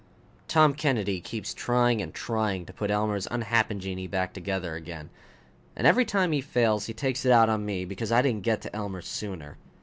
Tom Kennedy keeps trying and trying to put Elmer's unhappen genii back together again. And every time he fails he takes it out on me because I didn't get to Elmer sooner.